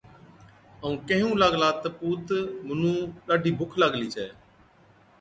ائُون ڪيهُون لاگلا تہ، پُوت، مُنُون ڏاڍِي بُک لاگلِي ڇَي،